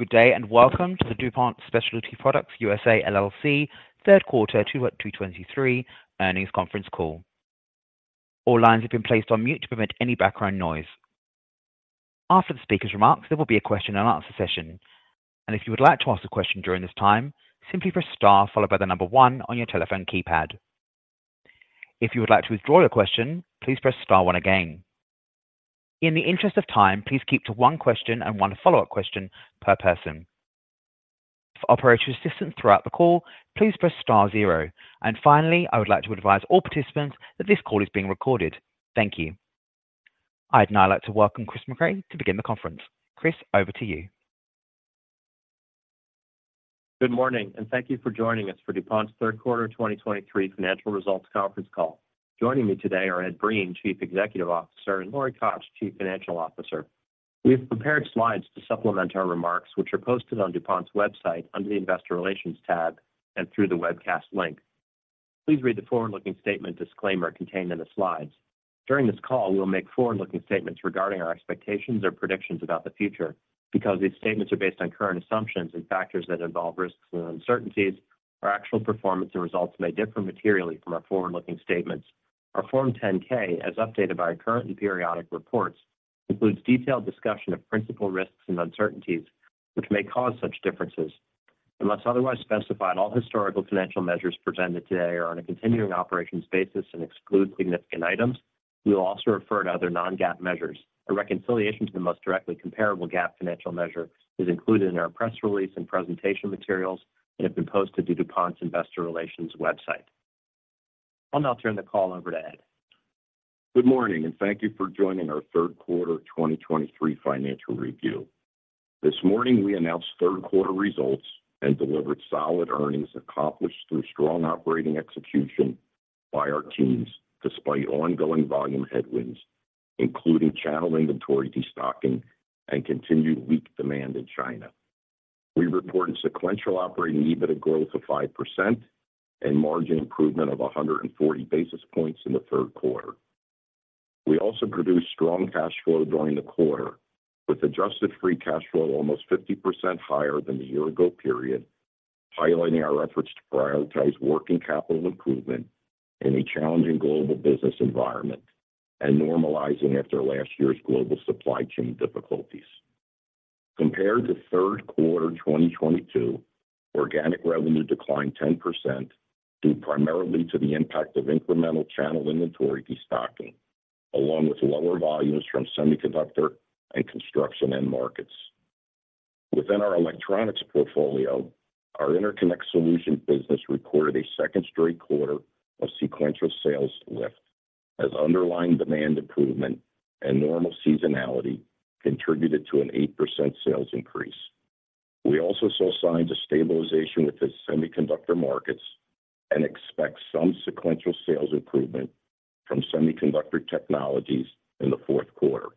Good day, and welcome to the DuPont de Nemours third quarter 2023 earnings conference call. All lines have been placed on mute to prevent any background noise. After the speaker's remarks, there will be a question and answer session, and if you would like to ask a question during this time, simply press star followed by the number 1 on your telephone keypad. If you would like to withdraw your question, please press star 1 again. In the interest of time, please keep to one question and one follow-up question per person. For operator assistance throughout the call, please press star 0. And finally, I would like to advise all participants that this call is being recorded. Thank you. I'd now like to welcome Chris Mecray to begin the conference. Chris, over to you. Good morning, and thank you for joining us for DuPont's third quarter of 2023 financial results conference call. Joining me today are Ed Breen, Chief Executive Officer, and Lori Koch, Chief Financial Officer. We have prepared slides to supplement our remarks, which are posted on DuPont's website under the Investor Relations tab and through the webcast link. Please read the forward-looking statement disclaimer contained in the slides. During this call, we will make forward-looking statements regarding our expectations or predictions about the future. Because these statements are based on current assumptions and factors that involve risks and uncertainties, our actual performance and results may differ materially from our forward-looking statements. Our Form 10-K, as updated by our current and periodic reports, includes detailed discussion of principal risks and uncertainties, which may cause such differences. Unless otherwise specified, all historical financial measures presented today are on a continuing operations basis and exclude significant items. We will also refer to other non-GAAP measures. A reconciliation to the most directly comparable GAAP financial measure is included in our press release and presentation materials, and have been posted to DuPont's Investor Relations website. I'll now turn the call over to Ed. Good morning, and thank you for joining our third quarter of 2023 financial review. This morning, we announced third quarter results and delivered solid earnings accomplished through strong operating execution by our teams, despite ongoing volume headwinds, including channel inventory destocking and continued weak demand in China. We reported sequential operating EBITDA growth of 5% and margin improvement of 140 basis points in the third quarter. We also produced strong cash flow during the quarter, with adjusted free cash flow almost 50% higher than the year ago period, highlighting our efforts to prioritize working capital improvement in a challenging global business environment and normalizing after last year's global supply chain difficulties. Compared to third quarter 2022, organic revenue declined 10%, due primarily to the impact of incremental channel inventory destocking, along with lower volumes from semiconductor and construction end markets. Within our electronics portfolio, our Interconnect Solutions business recorded a second straight quarter of sequential sales lift, as underlying demand improvement and normal seasonality contributed to an 8% sales increase. We also saw signs of stabilization with the semiconductor markets and expect some sequential sales improvement from Semiconductor Technologies in the fourth quarter.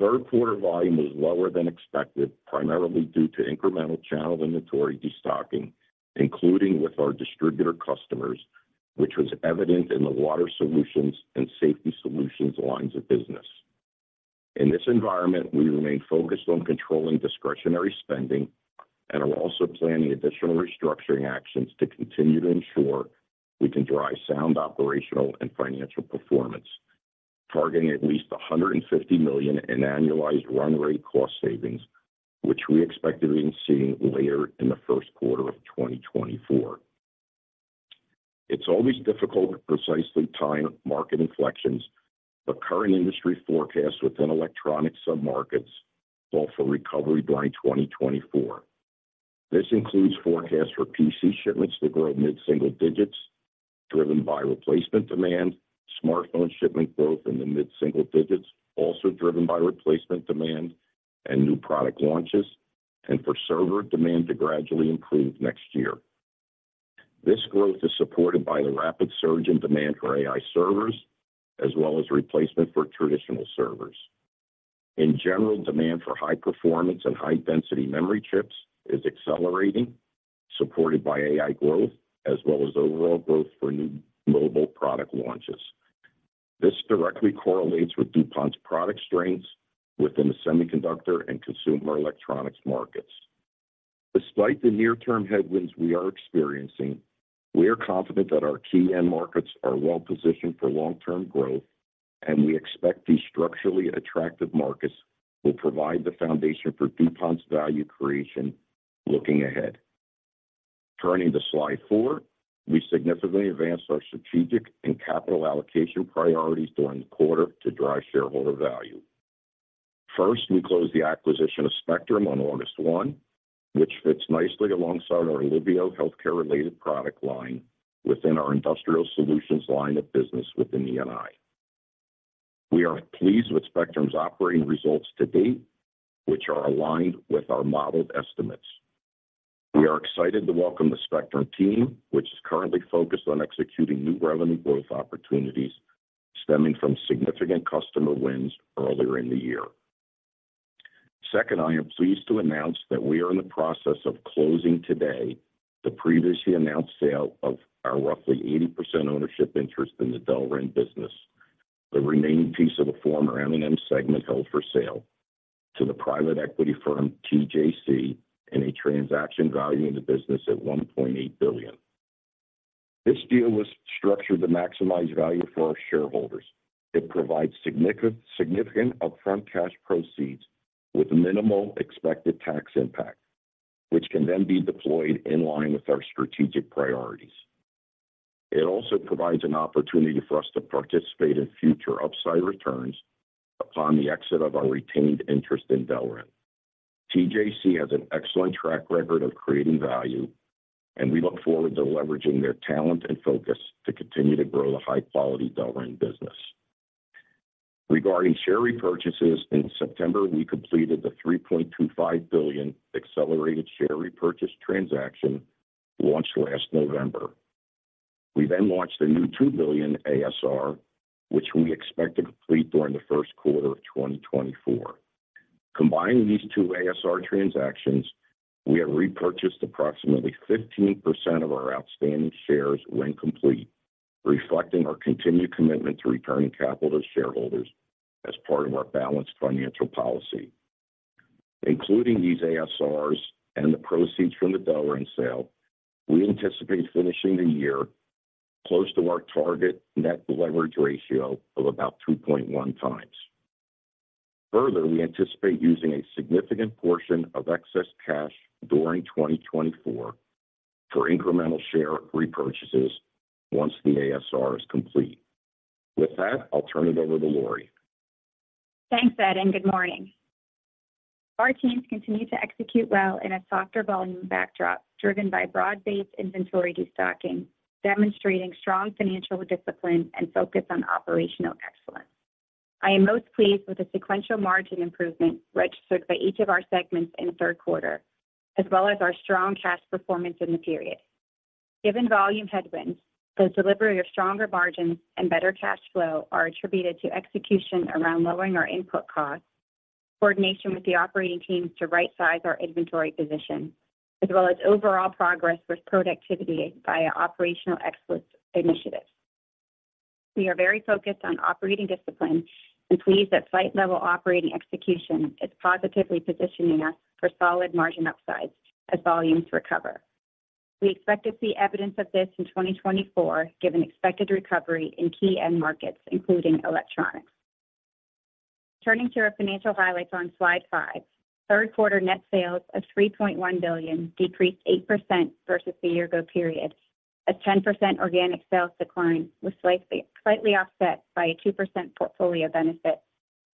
Third quarter volume was lower than expected, primarily due to incremental channel inventory destocking, including with our distributor customers, which was evident in the Water Solutions and Safety Solutions lines of business. In this environment, we remain focused on controlling discretionary spending and are also planning additional restructuring actions to continue to ensure we can drive sound, operational, and financial performance, targeting at least $150 million in annualized run rate cost savings, which we expect to begin seeing later in the first quarter of 2024. It's always difficult to precisely time market inflections, but current industry forecasts within electronic submarkets call for recovery by 2024. This includes forecasts for PC shipments to grow mid-single digits, driven by replacement demand, smartphone shipment growth in the mid-single digits, also driven by replacement demand and new product launches, and for server demand to gradually improve next year. This growth is supported by the rapid surge in demand for AI servers, as well as replacement for traditional servers. In general, demand for high performance and high density memory chips is accelerating, supported by AI growth, as well as overall growth for new mobile product launches. This directly correlates with DuPont's product strengths within the semiconductor and consumer electronics markets. Despite the near-term headwinds we are experiencing, we are confident that our key end markets are well positioned for long-term growth, and we expect these structurally attractive markets will provide the foundation for DuPont's value creation looking ahead. Turning to slide 4, we significantly advanced our strategic and capital allocation priorities during the quarter to drive shareholder value. First, we closed the acquisition of Spectrum on August 1, which fits nicely alongside our Liveo healthcare-related product line within our industrial solutions line of business within E&I. We are pleased with Spectrum's operating results to date, which are aligned with our modeled estimates. We are excited to welcome the Spectrum team, which is currently focused on executing new revenue growth opportunities stemming from significant customer wins earlier in the year. Second, I am pleased to announce that we are in the process of closing today the previously announced sale of our roughly 80% ownership interest in the Delrin business. The remaining piece of the former M&M segment held for sale to the private equity firm, TJC, in a transaction valuing the business at $1.8 billion. This deal was structured to maximize value for our shareholders. It provides significant, significant upfront cash proceeds with minimal expected tax impact, which can then be deployed in line with our strategic priorities. It also provides an opportunity for us to participate in future upside returns upon the exit of our retained interest in Delrin. TJC has an excellent track record of creating value, and we look forward to leveraging their talent and focus to continue to grow the high-quality Delrin business. Regarding share repurchases, in September, we completed the $3.25 billion accelerated share repurchase transaction launched last November. We then launched a new $2 billion ASR, which we expect to complete during the first quarter of 2024. Combining these two ASR transactions, we have repurchased approximately 15% of our outstanding shares when complete, reflecting our continued commitment to returning capital to shareholders as part of our balanced financial policy. Including these ASRs and the proceeds from the Delrin sale, we anticipate finishing the year close to our target net leverage ratio of about 2.1 times. Further, we anticipate using a significant portion of excess cash during 2024 for incremental share repurchases once the ASR is complete. With that, I'll turn it over to Lori. Thanks, Ed, and good morning. Our teams continue to execute well in a softer volume backdrop, driven by broad-based inventory destocking, demonstrating strong financial discipline and focus on operational excellence. I am most pleased with the sequential margin improvement registered by each of our segments in the third quarter, as well as our strong cash performance in the period. Given volume headwinds, the delivery of stronger margins and better cash flow are attributed to execution around lowering our input costs, coordination with the operating teams to right-size our inventory position, as well as overall progress with productivity via operational excellence initiatives. We are very focused on operating discipline and pleased that site-level operating execution is positively positioning us for solid margin upsides as volumes recover. We expect to see evidence of this in 2024, given expected recovery in key end markets, including electronics. Turning to our financial highlights on slide 5, third quarter net sales of $3.1 billion decreased 8% versus the year-ago period. A 10% organic sales decline was slightly offset by a 2% portfolio benefit,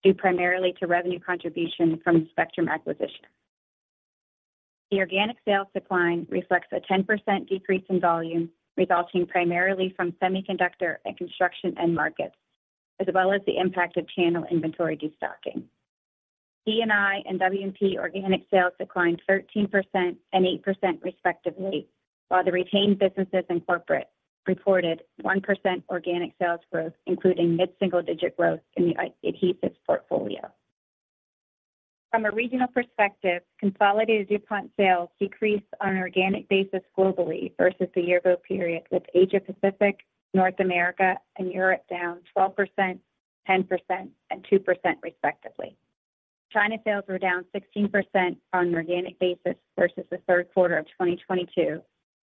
due primarily to revenue contribution from the Spectrum acquisition. The organic sales decline reflects a 10% decrease in volume, resulting primarily from semiconductor and construction end markets, as well as the impact of channel inventory destocking. E&I and W&P organic sales declined 13% and 8%, respectively, while the retained businesses and corporate reported 1% organic sales growth, including mid-single-digit growth in the adhesives portfolio. From a regional perspective, consolidated DuPont sales decreased on an organic basis globally versus the year-ago period, with Asia Pacific, North America, and Europe down 12%, 10%, and 2%, respectively. China sales were down 16% on an organic basis versus the third quarter of 2022,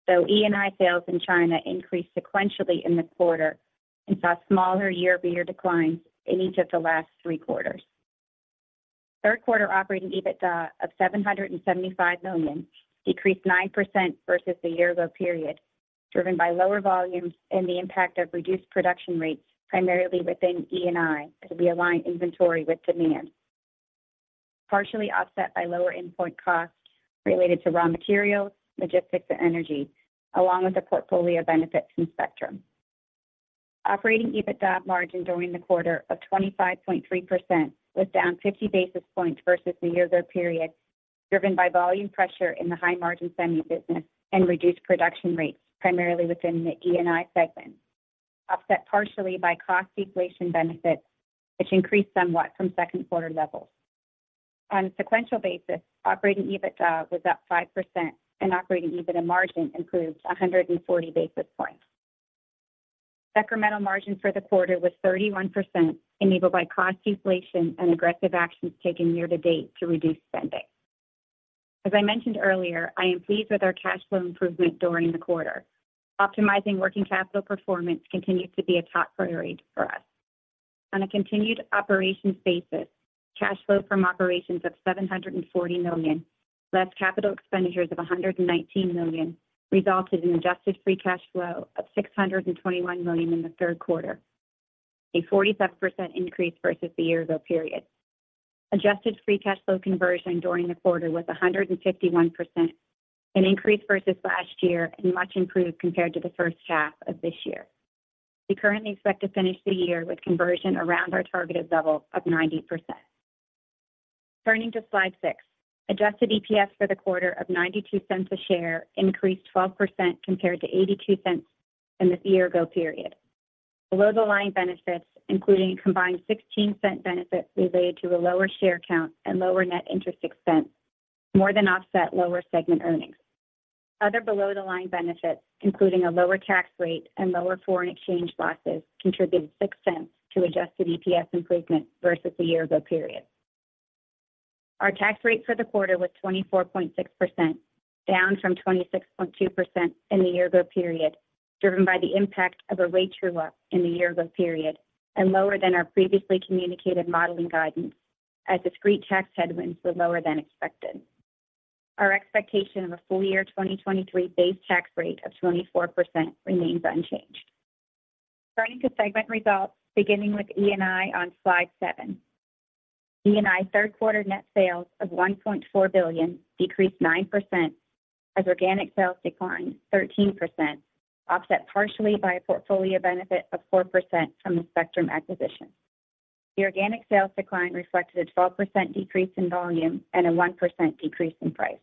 though E&I sales in China increased sequentially in the quarter and saw smaller year-over-year declines in each of the last three quarters. Third quarter operating EBITDA of $775 million decreased 9% versus the year ago period, driven by lower volumes and the impact of reduced production rates, primarily within E&I, as we align inventory with demand, partially offset by lower input costs related to raw materials, logistics, and energy, along with the portfolio benefits from Spectrum. Operating EBITDA margin during the quarter of 25.3% was down 50 basis points versus the year ago period, driven by volume pressure in the high-margin semi business and reduced production rates, primarily within the E&I segment, offset partially by cost deflation benefits, which increased somewhat from second quarter levels. On a sequential basis, operating EBITDA was up 5% and operating EBITDA margin improved 140 basis points. Segmental margin for the quarter was 31%, enabled by cost deflation and aggressive actions taken year to date to reduce spending. As I mentioned earlier, I am pleased with our cash flow improvement during the quarter. Optimizing working capital performance continues to be a top priority for us. On a continued operations basis, cash flow from operations of $740 million, less capital expenditures of $119 million, resulted in adjusted free cash flow of $621 million in the third quarter, a 47% increase versus the year ago period. Adjusted free cash flow conversion during the quarter was 151%, an increase versus last year and much improved compared to the first half of this year. We currently expect to finish the year with conversion around our targeted level of 90%. Turning to slide 6, adjusted EPS for the quarter of $0.92 a share increased 12% compared to $0.82 in the year-ago period. Below-the-line benefits, including a combined $0.16 benefit related to a lower share count and lower net interest expense, more than offset lower segment earnings. Other below-the-line benefits, including a lower tax rate and lower foreign exchange losses, contributed $0.06 to adjusted EPS improvement versus the year-ago period. Our tax rate for the quarter was 24.6%, down from 26.2% in the year-ago period, driven by the impact of a rate true-up in the year-ago period and lower than our previously communicated modeling guidance, as discrete tax headwinds were lower than expected. Our expectation of a full year 2023 base tax rate of 24% remains unchanged. Turning to segment results, beginning with E&I on Slide 7. E&I third quarter net sales of $1.4 billion decreased 9%, as organic sales declined 13%, offset partially by a portfolio benefit of 4% from the Spectrum acquisition. The organic sales decline reflected a 12% decrease in volume and a 1% decrease in price.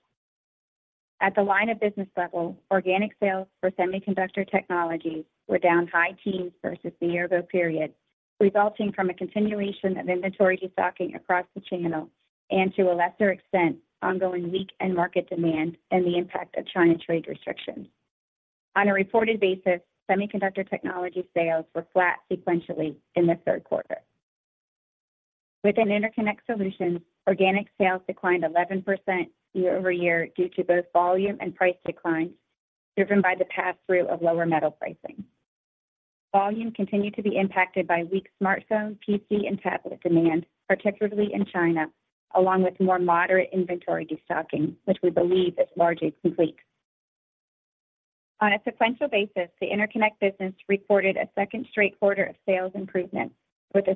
At the line of business level, organic sales for semiconductor technologies were down high teens versus the year-ago period, resulting from a continuation of inventory destocking across the channel and, to a lesser extent, ongoing weak end market demand and the impact of China trade restrictions. On a reported basis, semiconductor technology sales were flat sequentially in the third quarter. Within Interconnect Solutions, organic sales declined 11% year-over-year due to both volume and price declines, driven by the pass-through of lower metal pricing. Volume continued to be impacted by weak smartphone, PC, and tablet demand, particularly in China, along with more moderate inventory destocking, which we believe is largely complete. On a sequential basis, the interconnect business reported a second straight quarter of sales improvement, with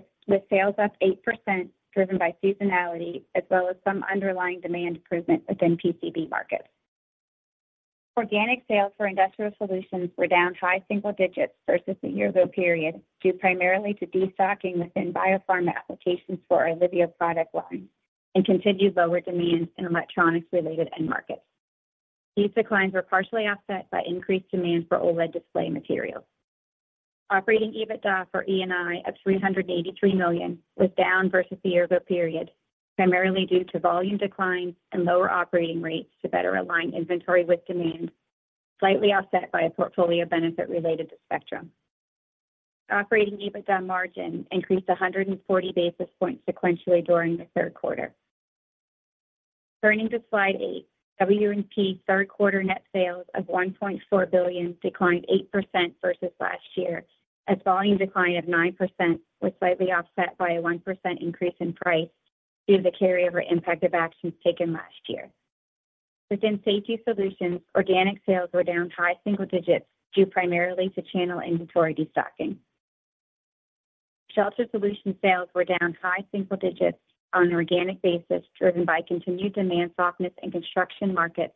sales up 8%, driven by seasonality as well as some underlying demand improvement within PCB markets. Organic sales for Industrial Solutions were down high single digits versus the year-ago period, due primarily to destocking within biopharma applications for our Liveo product line and continued lower demand in electronics-related end markets. These declines were partially offset by increased demand for OLED display materials. Operating EBITDA for E&I of $383 million was down versus the year-ago period, primarily due to volume declines and lower operating rates to better align inventory with demand, slightly offset by a portfolio benefit related to Spectrum. Operating EBITDA margin increased 140 basis points sequentially during the third quarter. Turning to Slide 8, W&P third quarter net sales of $1.4 billion declined 8% versus last year, as volume decline of 9% was slightly offset by a 1% increase in price due to the carryover impact of actions taken last year. Within Safety Solutions, organic sales were down high single digits due primarily to channel inventory destocking. Shelter Solutions sales were down high single digits on an organic basis, driven by continued demand softness in construction markets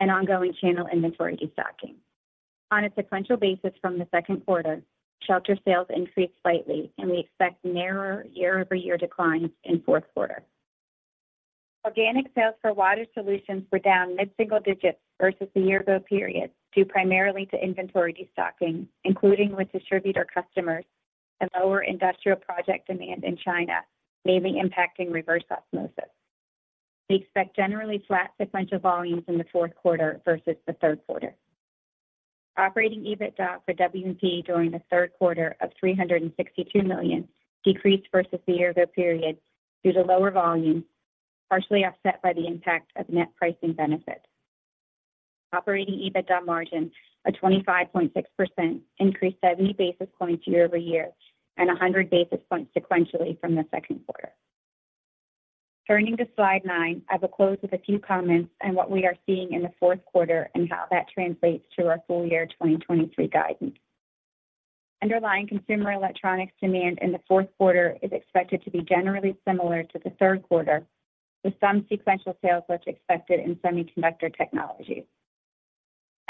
and ongoing channel inventory destocking. On a sequential basis from the second quarter, shelter sales increased slightly, and we expect narrower year-over-year declines in fourth quarter. Organic sales for Water Solutions were down mid-single digits versus the year-ago period, due primarily to inventory destocking, including with distributor customers and lower industrial project demand in China, mainly impacting reverse osmosis. We expect generally flat sequential volumes in the fourth quarter versus the third quarter. Operating EBITDA for W&P during the third quarter of $362 million decreased versus the year-ago period due to lower volume, partially offset by the impact of net pricing benefits. Operating EBITDA margin of 25.6% increased 70 basis points year over year and 100 basis points sequentially from the second quarter. Turning to Slide 9, I will close with a few comments on what we are seeing in the fourth quarter and how that translates to our full year 2023 guidance. Underlying consumer electronics demand in the fourth quarter is expected to be generally similar to the third quarter, with some sequential sales growth expected in semiconductor technologies.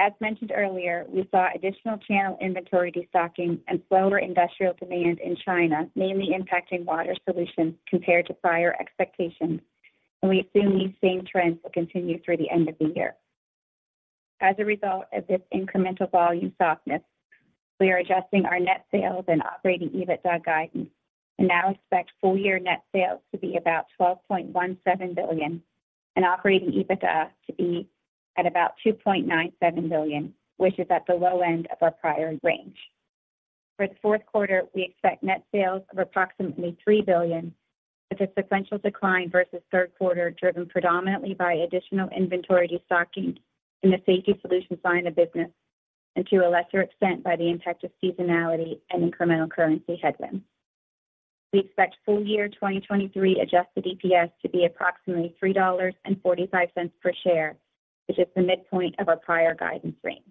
As mentioned earlier, we saw additional channel inventory destocking and slower industrial demand in China, mainly impacting water solutions compared to prior expectations, and we assume these same trends will continue through the end of the year. As a result of this incremental volume softness, we are adjusting our net sales and operating EBITDA guidance and now expect full year net sales to be about $12.17 billion and operating EBITDA to be at about $2.97 billion, which is at the low end of our prior range. For the fourth quarter, we expect net sales of approximately $3 billion, with a sequential decline versus third quarter, driven predominantly by additional inventory destocking in the Safety Solutions line of business and, to a lesser extent, by the impact of seasonality and incremental currency headwinds. We expect full year 2023 adjusted EPS to be approximately $3.45 per share, which is the midpoint of our prior guidance range.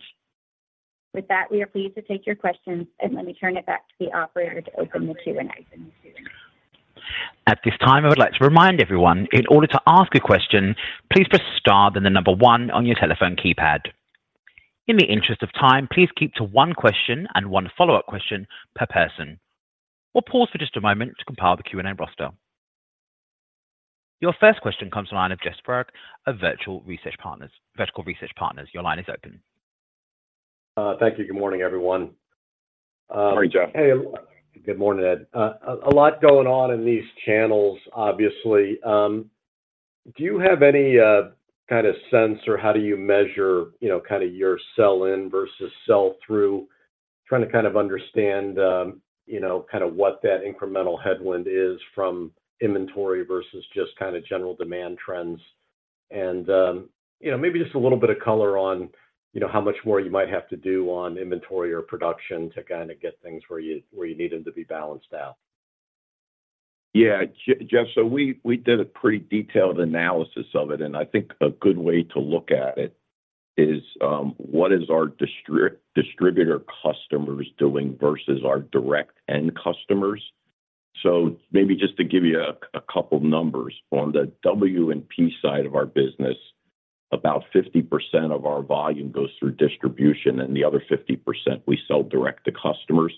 With that, we are pleased to take your questions, and let me turn it back to the operator to open the Q&A. At this time, I would like to remind everyone, in order to ask a question, please press star, then the number one on your telephone keypad. In the interest of time, please keep to one question and one follow-up question per person. We'll pause for just a moment to compile the Q&A roster. Your first question comes from the line of Jeff Furber of Vertical Research Partners. Your line is open. Thank you. Good morning, everyone. Morning, Jeff. Hey, good morning, Ed. A lot going on in these channels, obviously. Do you have any kind of sense, or how do you measure, you know, kind of your sell-in versus sell-through? Trying to kind of understand, you know, kind of what that incremental headwind is from inventory versus just kind of general demand trends. You know, maybe just a little bit of color on, you know, how much more you might have to do on inventory or production to kind of get things where you need them to be balanced out. Yeah, Jeff, so we did a pretty detailed analysis of it, and I think a good way to look at it is what our distributor customers doing versus our direct end customers? So maybe just to give you a couple numbers. On the W&P side of our business, about 50% of our volume goes through distribution, and the other 50% we sell direct to customers.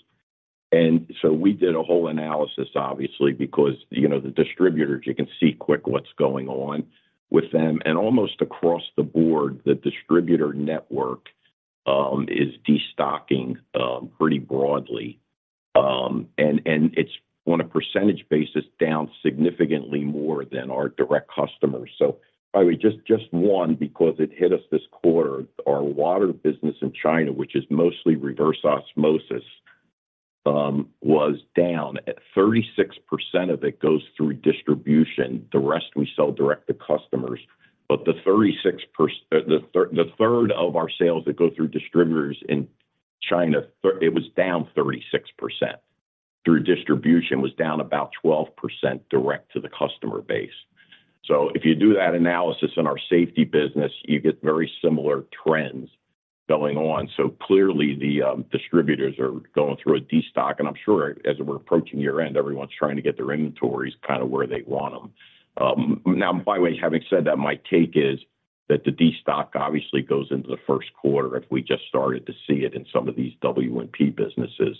And so we did a whole analysis, obviously, because, you know, the distributors, you can see quick what's going on with them. And almost across the board, the distributor network is destocking pretty broadly. And it's, on a percentage basis, down significantly more than our direct customers. So by the way, just one, because it hit us this quarter, our water business in China, which is mostly reverse osmosis, was down. 36% of it goes through distribution. The rest we sell direct to customers. But the third of our sales that go through distributors in China, it was down 36%. Through distribution was down about 12% direct to the customer base. So if you do that analysis in our safety business, you get very similar trends going on. So clearly, the distributors are going through a destock, and I'm sure as we're approaching year-end, everyone's trying to get their inventories kind of where they want them. Now, by the way, having said that, my take is that the destock obviously goes into the first quarter if we just started to see it in some of these W&P businesses.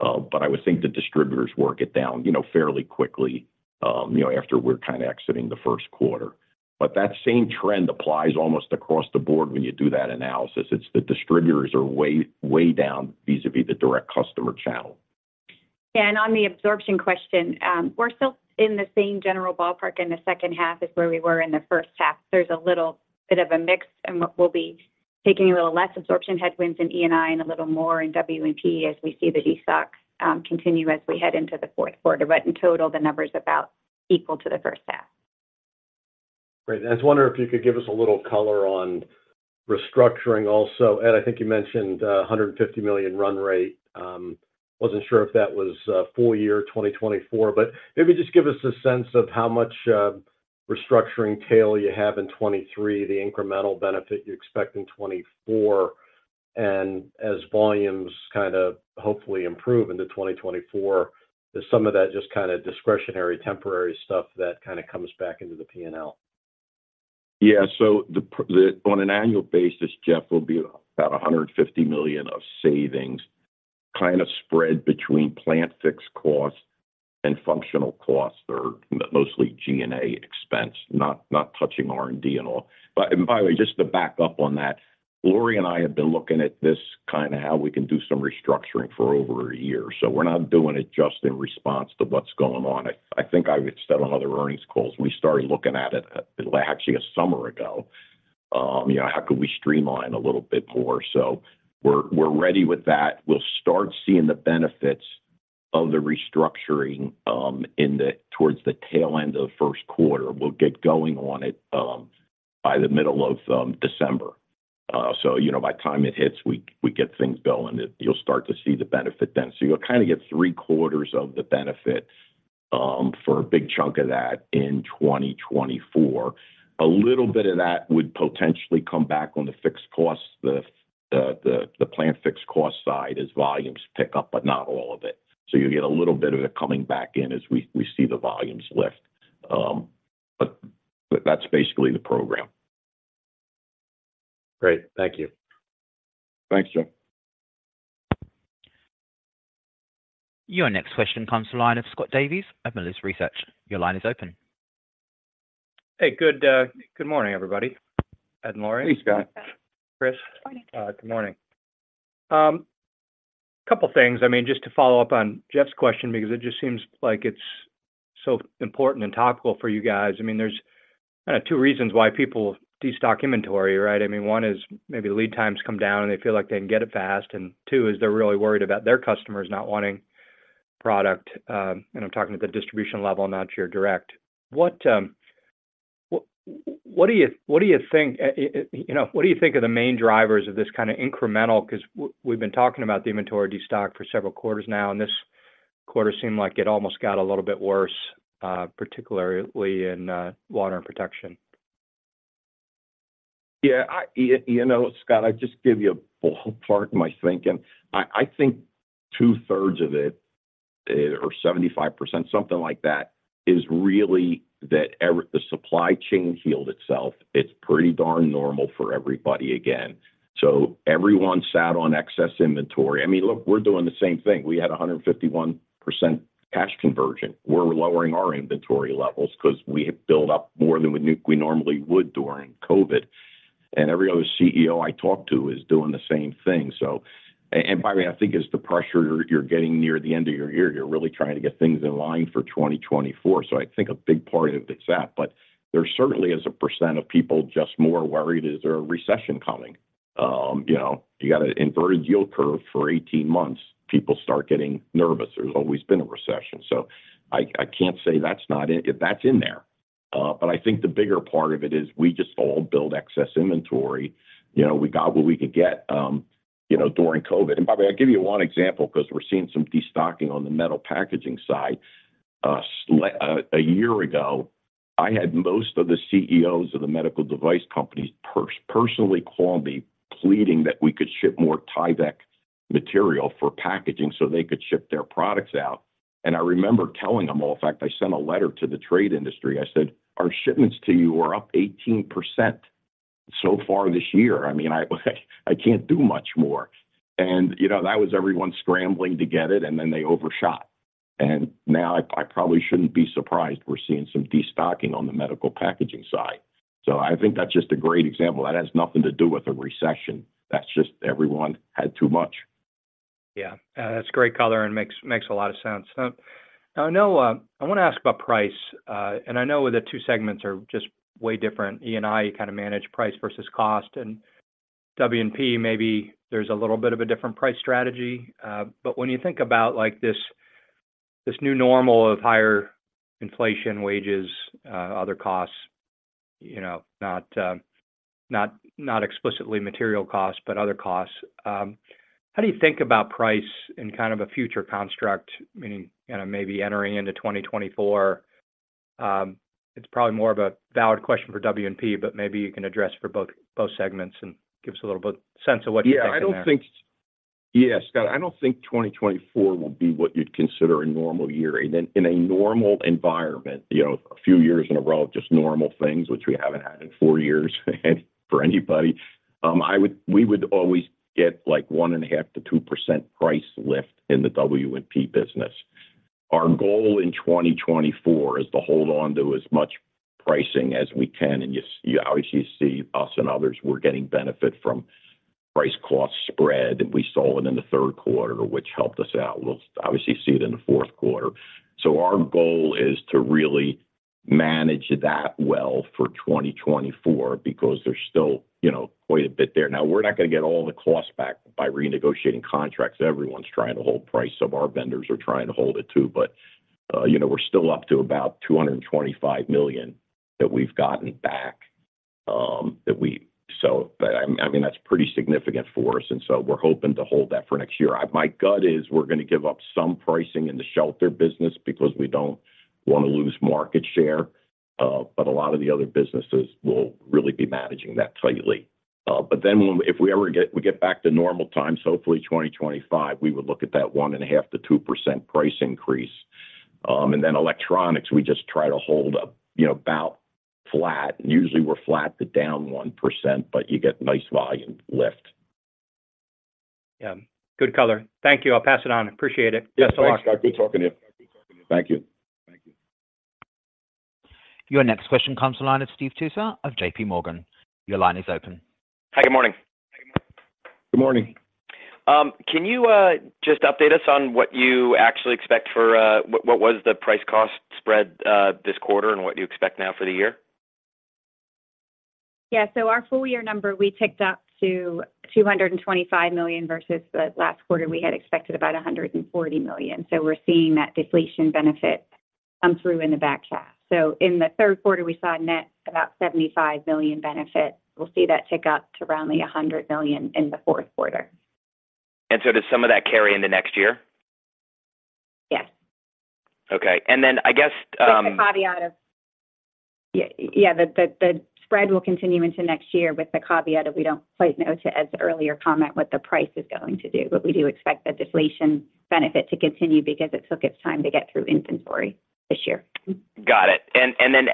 But I would think the distributors work it down, you know, fairly quickly, you know, after we're kind of exiting the first quarter. But that same trend applies almost across the board when you do that analysis. It's the distributors are way, way down vis-a-vis the direct customer channel. Yeah, and on the absorption question, we're still in the same general ballpark in the second half as where we were in the first half. There's a little bit of a mix in what we'll be taking a little less absorption headwinds in E&I and a little more in W&P as we see the destock continue as we head into the fourth quarter. But in total, the number is about equal to the first half. Great. I was wondering if you could give us a little color on restructuring also. Ed, I think you mentioned, $150 million run rate. Wasn't sure if that was, full year 2024, but maybe just give us a sense of how much, restructuring tail you have in 2023, the incremental benefit you expect in 2024. And as volumes kind of hopefully improve into 2024, is some of that just kind of discretionary, temporary stuff that kind of comes back into the PNL? Yeah. So the on an annual basis, Jeff, will be about $150 million of savings, kind of spread between plant fixed costs and functional costs, or mostly G&A expense, not, not touching R&D and all. But by the way, just to back up on that, Lori and I have been looking at this, kind of how we can do some restructuring, for over a year, so we're not doing it just in response to what's going on. I think I've said on other earnings calls, we started looking at it, actually a summer ago. You know, how could we streamline a little bit more? So we're ready with that. We'll start seeing the benefits of the restructuring, towards the tail end of the first quarter. We'll get going on it, by the middle of December. So, you know, by the time it hits, we get things going, and you'll start to see the benefit then. So you'll kind of get three-quarters of the benefit for a big chunk of that in 2024. A little bit of that would potentially come back on the fixed costs, the plant fixed cost side as volumes pick up, but not all of it. So you'll get a little bit of it coming back in as we see the volumes lift. But that's basically the program. Great. Thank you. Thanks, Jeff. Your next question comes to line of Scott Davis of Melius Research. Your line is open. Hey, good morning, everybody, Ed and Lori. Hey, Scott. Hey, Scott. Chris. Morning. Good morning. A couple of things, I mean, just to follow up on Jeff's question because it just seems like it's so important and topical for you guys. I mean, there's kind of two reasons why people destock inventory, right? I mean, one is maybe lead times come down, and they feel like they can get it fast, and two, is they're really worried about their customers not wanting product. And I'm talking at the distribution level, not your direct. What do you think... You know, what do you think are the main drivers of this kind of incremental? Because we've been talking about the inventory destock for several quarters now, and this quarter seemed like it almost got a little bit worse, particularly in water and protection. Yeah, I, you know, Scott, I just give you a ballpark of my thinking. I, I think 2/3 of it, or 75%, something like that, is really that the supply chain healed itself. It's pretty darn normal for everybody again. So everyone sat on excess inventory. I mean, look, we're doing the same thing. We had a 151% cash conversion. We're lowering our inventory levels 'cause we have built up more than we normally would during COVID. And every other CEO I talk to is doing the same thing. So, and by the way, I think as the pressure, you're, you're getting near the end of your year, you're really trying to get things in line for 2024. So I think a big part of it is that, but there certainly is a percent of people just more worried, is there a recession coming? You know, you got an inverted yield curve for 18 months, people start getting nervous. There's always been a recession, so I, I can't say that's not in-- that's in there. But I think the bigger part of it is we just all build excess inventory. You know, we got what we could get, you know, during COVID. And by the way, I'll give you one example, 'cause we're seeing some destocking on the metal packaging side. A year ago, I had most of the CEOs of the medical device companies personally call me, pleading that we could ship more Tyvek material for packaging so they could ship their products out. I remember telling them, well, in fact, I sent a letter to the trade industry. I said, "Our shipments to you are up 18% so far this year. I mean, I, I can't do much more." And, you know, that was everyone scrambling to get it, and then they overshot. And now I, I probably shouldn't be surprised we're seeing some destocking on the medical packaging side. I think that's just a great example. That has nothing to do with a recession. That's just everyone had too much. Yeah, that's great color and makes a lot of sense. Now, I know I want to ask about price. And I know the two segments are just way different. E&I kind of manage price versus cost, and W&P, maybe there's a little bit of a different price strategy. But when you think about, like, this new normal of higher inflation, wages, other costs, you know, not explicitly material costs, but other costs, how do you think about price in kind of a future construct, meaning, you know, maybe entering into 2024? It's probably more of a valid question for W&P, but maybe you can address for both segments and give us a little bit sense of what you think in there. Yeah, I don't think, yeah, Scott, I don't think 2024 will be what you'd consider a normal year. In a normal environment, you know, a few years in a row of just normal things, which we haven't had in 4 years, for anybody, we would always get, like, 1.5%-2% price lift in the W&P business. Our goal in 2024 is to hold on to as much pricing as we can, and you obviously see us and others, we're getting benefit from price cost spread, and we saw it in the third quarter, which helped us out. We'll obviously see it in the fourth quarter. So our goal is to really manage that well for 2024 because there's still, you know, quite a bit there. Now, we're not gonna get all the costs back by renegotiating contracts. Everyone's trying to hold price, so our vendors are trying to hold it, too. But, you know, we're still up to about $225 million that we've gotten back. So, but I mean, that's pretty significant for us, and so we're hoping to hold that for next year. My gut is we're gonna give up some pricing in the shelter business because we don't want to lose market share, but a lot of the other businesses will really be managing that tightly. But then if we ever get back to normal times, hopefully 2025, we would look at that 1.5%-2% price increase. And then electronics, we just try to hold up, you know, about flat. Usually, we're flat to down 1%, but you get nice volume lift. Yeah. Good color. Thank you. I'll pass it on. Appreciate it. Yes, thanks, Scott. Good talking to you. Thank you. Your next question comes from the line of Steve Tusa of J.P. Morgan. Your line is open. Hi, good morning. Good morning. Can you just update us on what you actually expect for... What was the price cost spread this quarter, and what do you expect now for the year? Yeah. So our full year number, we ticked up to $225 million versus the last quarter, we had expected about $140 million. So we're seeing that deflation benefit come through in the back half. So in the third quarter, we saw a net about $75 million benefit. We'll see that tick up to around $100 million in the fourth quarter. Does some of that carry into next year? Yes. Okay. And then I guess, With the caveat of yeah, yeah, the spread will continue into next year with the caveat of we don't quite know to, as earlier comment, what the price is going to do. But we do expect the deflation benefit to continue because it took its time to get through inventory this year. Got it. And then,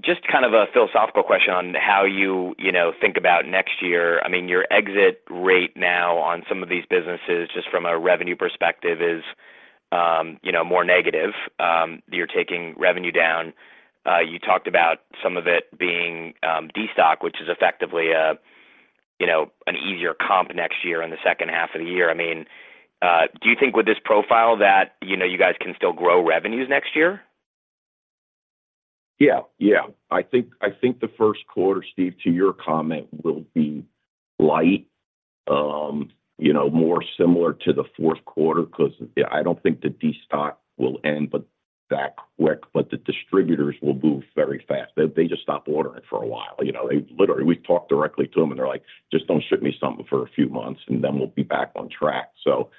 just kind of a philosophical question on how you, you know, think about next year. I mean, your exit rate now on some of these businesses, just from a revenue perspective, is, you know, more negative. You're taking revenue down. You talked about some of it being destock, which is effectively a, you know, an easier comp next year in the second half of the year. I mean, do you think with this profile that, you know, you guys can still grow revenues next year? Yeah, yeah. I think, I think the first quarter, Steve, to your comment, will be light, you know, more similar to the fourth quarter, 'cause I don't think the destock will end but that quick, but the distributors will move very fast. They, they just stopped ordering for a while, you know. They literally, we've talked directly to them, and they're like: "Just don't ship me something for a few months, and then we'll be back on track." So,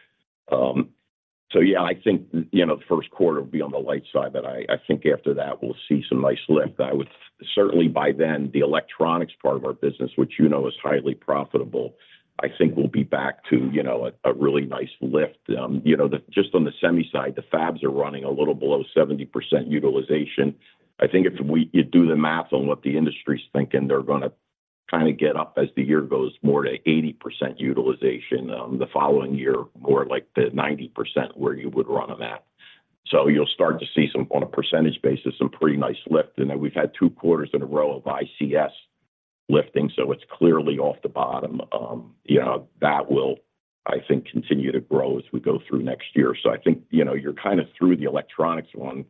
yeah, I think, you know, the first quarter will be on the light side, but I, I think after that, we'll see some nice lift. I would certainly by then, the electronics part of our business, which you know is highly profitable, I think we'll be back to, you know, a, a really nice lift. You know, just on the semi side, the fabs are running a little below 70% utilization. I think if you do the math on what the industry's thinking, they're gonna kind of get up as the year goes, more to 80% utilization, the following year, more like the 90% where you would run them at. So you'll start to see some, on a percentage basis, some pretty nice lift. And then we've had two quarters in a row of ICS lifting, so it's clearly off the bottom. You know, that will, I think, continue to grow as we go through next year. So I think, you know, you're kind of through the electronics one,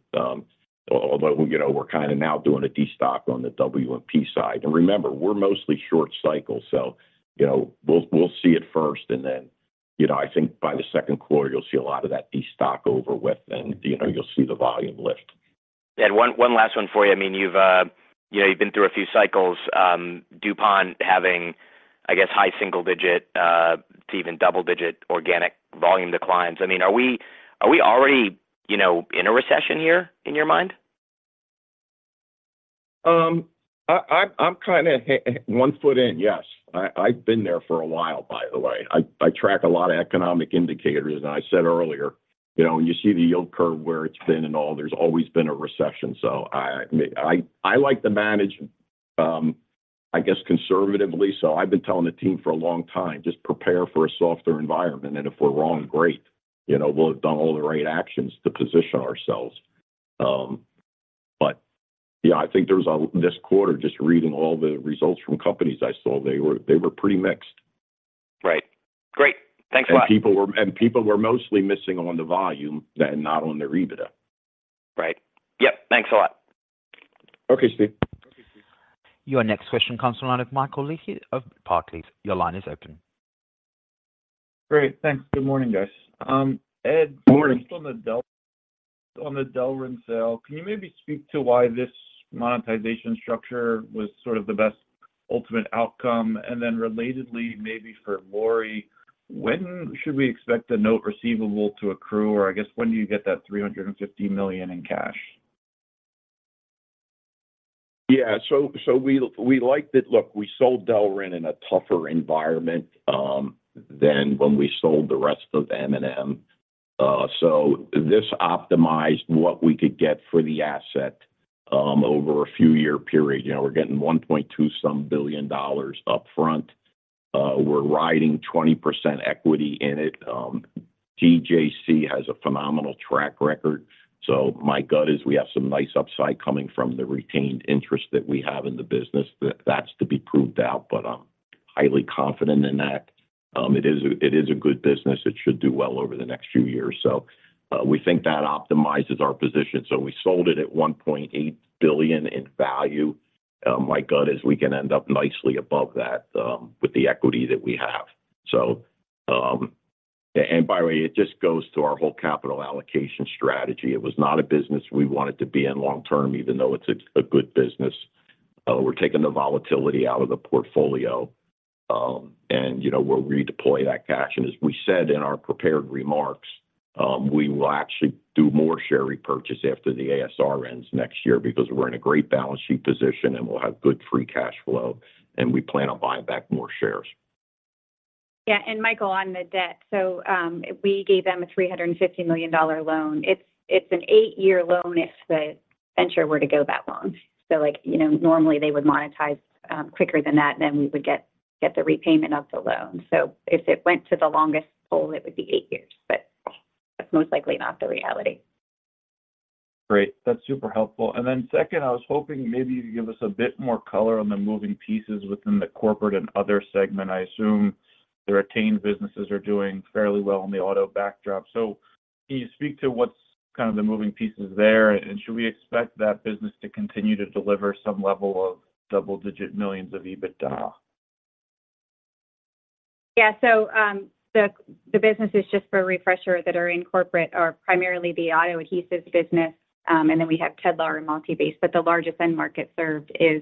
although, you know, we're kind of now doing a destock on the W&P side. And remember, we're mostly short cycle, so, you know, we'll see it first and then, you know, I think by the second quarter you'll see a lot of that destock over with, and, you know, you'll see the volume lift. Ed, one, one last one for you. I mean, you've, you know, you've been through a few cycles, DuPont having, I guess, high single digit, to even double digit organic volume declines. I mean, are we, are we already, you know, in a recession here in your mind? I'm kind of one foot in, yes. I've been there for a while, by the way. I track a lot of economic indicators, and I said earlier, you know, you see the yield curve where it's been and all, there's always been a recession. So I like to manage, I guess, conservatively. So I've been telling the team for a long time, "Just prepare for a softer environment, and if we're wrong, great. You know, we'll have done all the right actions to position ourselves." But yeah, I think there's this quarter, just reading all the results from companies I saw, they were pretty mixed. Right. Great. Thanks a lot. People were mostly missing on the volume than not on their EBITDA. Right. Yep. Thanks a lot. Okay, Steve. Your next question comes from the line of Mike Leithead of Barclays. Your line is open. Great, thanks. Good morning, guys. Ed- Good morning. Just on the Delrin sale, can you maybe speak to why this monetization structure was sort of the best ultimate outcome? And then relatedly, maybe for Lori, when should we expect the note receivable to accrue? Or I guess, when do you get that $350 million in cash? Yeah, so we liked it. Look, we sold Delrin in a tougher environment than when we sold the rest of M&M. So this optimized what we could get for the asset over a few year period. You know, we're getting $1.2 billion upfront. We're retaining 20% equity in it. TJC has a phenomenal track record, so my gut is we have some nice upside coming from the retained interest that we have in the business. That's to be proved out, but I'm highly confident in that. It is a good business; it should do well over the next few years. So we think that optimizes our position. So we sold it at $1.8 billion in value. My gut is we can end up nicely above that, with the equity that we have. So... And by the way, it just goes to our whole capital allocation strategy. It was not a business we wanted to be in long term, even though it's a good business. We're taking the volatility out of the portfolio, and, you know, we'll redeploy that cash. And as we said in our prepared remarks, we will actually do more share repurchase after the ASR ends next year because we're in a great balance sheet position and we'll have good free cash flow, and we plan on buying back more shares. Yeah, and Michael, on the debt. So, we gave them a $350 million loan. It's an eight-year loan if the venture were to go that long. So like, you know, normally they would monetize quicker than that, and then we would get the repayment of the loan. So if it went to the longest haul, it would be eight years, but that's most likely not the reality. Great, that's super helpful. And then second, I was hoping maybe you'd give us a bit more color on the moving pieces within the corporate and other segment. I assume the retained businesses are doing fairly well in the auto backdrop. So can you speak to what's kind of the moving pieces there, and should we expect that business to continue to deliver some level of double-digit millions of EBITDA? Yeah. So, the business is just for a refresher that are in corporate are primarily the auto adhesives business, and then we have Tedlar and Multibase. But the largest end market served is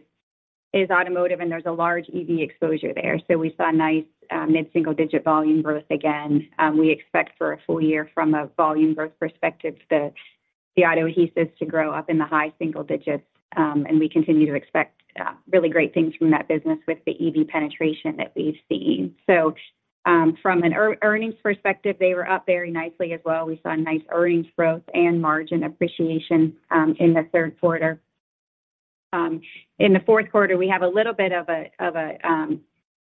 automotive, and there's a large EV exposure there. So we saw a nice mid-single-digit volume growth again. We expect for a full year from a volume growth perspective, the auto adhesives to grow up in the high single digits. And we continue to expect really great things from that business with the EV penetration that we've seen. So, from an earnings perspective, they were up very nicely as well. We saw a nice earnings growth and margin appreciation in the third quarter. In the fourth quarter, we have a little bit of a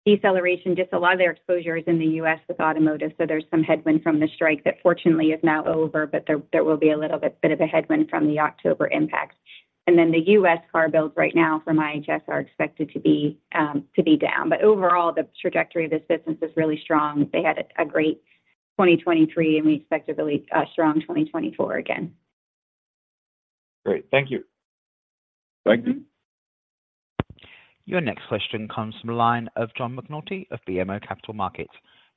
deceleration, just a lot of their exposure is in the U.S. with automotive, so there's some headwind from the strike that fortunately is now over, but there will be a little bit of a headwind from the October impacts. And then the U.S. car builds right now from IHS are expected to be down. But overall, the trajectory of this business is really strong. They had a great 2023, and we expect a really strong 2024 again. Great. Thank you. Thank you. Your next question comes from the line of John McNulty of BMO Capital Markets.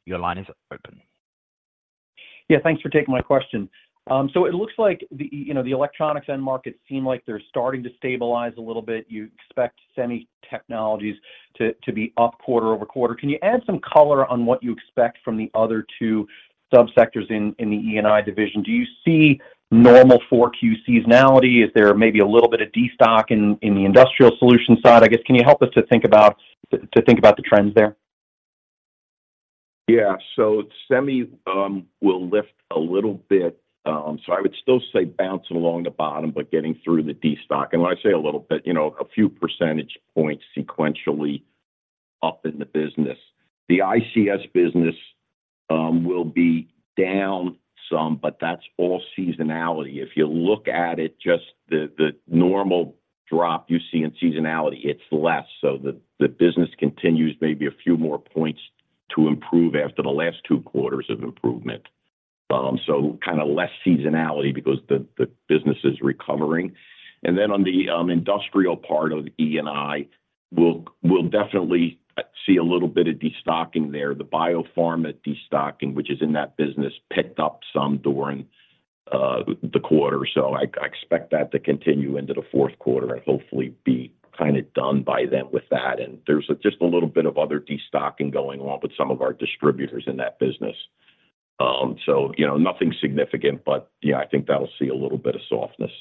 Your line is open. Yeah, thanks for taking my question. So it looks like the, you know, the electronics end markets seem like they're starting to stabilize a little bit. You expect semi technologies to be up quarter-over-quarter. Can you add some color on what you expect from the other two subsectors in the E&I division? Do you see normal 4Q seasonality? Is there maybe a little bit of destock in the industrial solution side? I guess, can you help us think about the trends there? Yeah. So semi will lift a little bit. So I would still say bouncing along the bottom, but getting through the destock. And when I say a little bit, you know, a few percentage points sequentially up in the business. The ICS business will be down some, but that's all seasonality. If you look at it, just the normal drop you see in seasonality, it's less. So the business continues maybe a few more points to improve after the last two quarters of improvement. So kind of less seasonality because the business is recovering. And then on the industrial part of E&I, we'll definitely see a little bit of destocking there. The biopharma destocking, which is in that business, picked up some during the quarter. So I expect that to continue into the fourth quarter and hopefully be kind of done by then with that. And there's just a little bit of other destocking going on with some of our distributors in that business. So, you know, nothing significant, but yeah, I think that'll see a little bit of softness.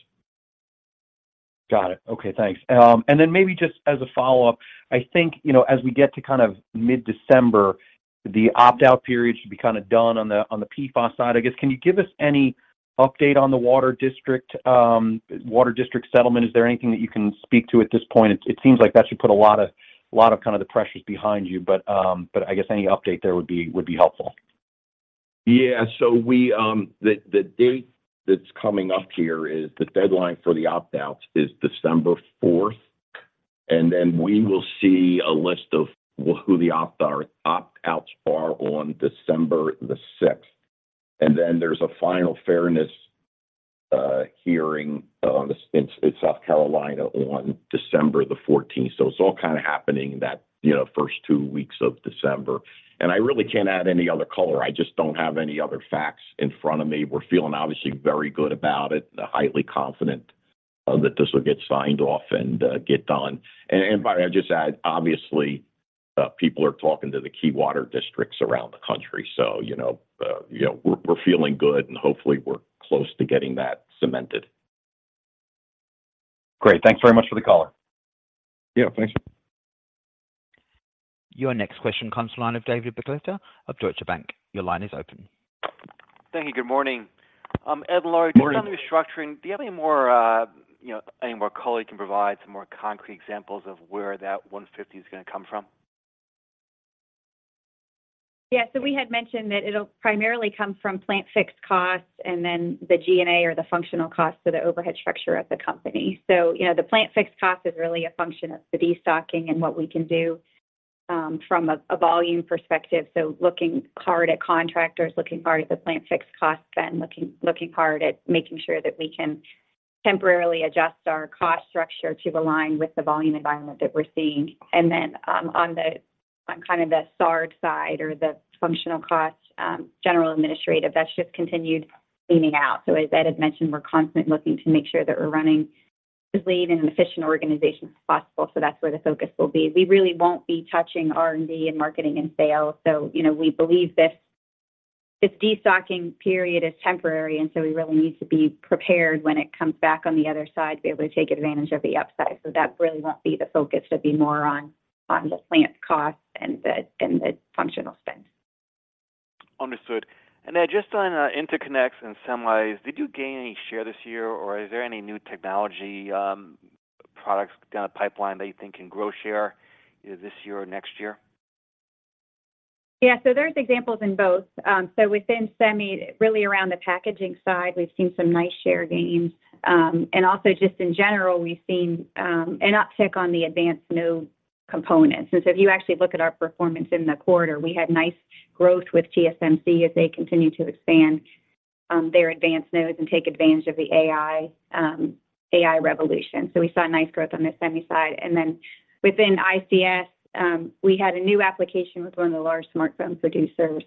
Got it. Okay, thanks. And then maybe just as a follow-up, I think, you know, as we get to kind of mid-December, the opt-out period should be kind of done on the PFAS side. I guess, can you give us any update on the water district settlement? Is there anything that you can speak to at this point? It seems like that should put a lot of kind of the pressures behind you, but I guess any update there would be helpful. Yeah. So we, the date that's coming up here is the deadline for the opt-outs is December fourth, and then we will see a list of who the opt-out, opt-outs are on December the sixth. And then there's a final fairness hearing in South Carolina on December the fourteenth. So it's all kind of happening that, you know, first two weeks of December. And I really can't add any other color. I just don't have any other facts in front of me. We're feeling obviously very good about it, highly confident that this will get signed off and get done. And Barry, I'd just add, obviously, people are talking to the key water districts around the country. So you know, you know, we're feeling good, and hopefully, we're close to getting that cemented. Great. Thanks very much for the color. Yeah, thanks. Your next question comes from the line of David Begleiter of Deutsche Bank. Your line is open. Thank you. Good morning. Ed and Lori- Morning. On the restructuring, do you have any more, you know, any more color you can provide, some more concrete examples of where that $150 is gonna come from? Yeah. So we had mentioned that it'll primarily come from plant fixed costs and then the G&A or the functional costs, so the overhead structure of the company. So, you know, the plant fixed cost is really a function of the destocking and what we can do from a volume perspective. So looking hard at contractors, looking hard at the plant fixed cost spend, looking hard at making sure that we can temporarily adjust our cost structure to align with the volume environment that we're seeing. And then, on kind of the SG&A side or the functional costs, general administrative, that's just continued leaning out. So as Ed had mentioned, we're constantly looking to make sure that we're running as lean and efficient an organization as possible, so that's where the focus will be. We really won't be touching R&D and marketing and sales. So, you know, we believe this destocking period is temporary, and so we really need to be prepared when it comes back on the other side to be able to take advantage of the upside. So that really won't be the focus. It'll be more on the plant costs and the functional spend. Understood. And then just on interconnects and semis, did you gain any share this year, or is there any new technology, products down the pipeline that you think can grow share, either this year or next year? Yeah. So there's examples in both. So within semi, really around the packaging side, we've seen some nice share gains. And also just in general, we've seen an uptick on the advanced node components. And so if you actually look at our performance in the quarter, we had nice growth with TSMC as they continued to expand their advanced nodes and take advantage of the AI, AI revolution. So we saw a nice growth on the Semi side. And then within ICS, we had a new application with one of the large smartphone producers,